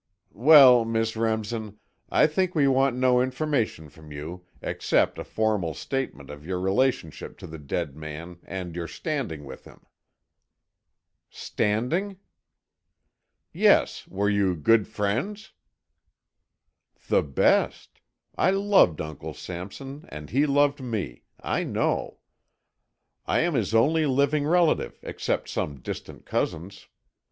"Well, Miss Remsen, I think we want no information from you, except a formal statement of your relationship to the dead man and your standing with him." "Standing?" "Yes. Were you good friends?" "The best. I loved Uncle Sampson and he loved me, I know. I am his only living relative, except some distant cousins.